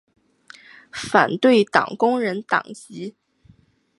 反对党工人党籍。